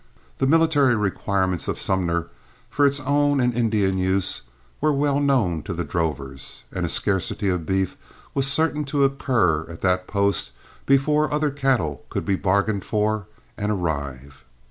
The military requirements of Sumner, for its own and Indian use, were well known to the drovers, and a scarcity of beef was certain to occur at that post before other cattle could be bargained for and arrive.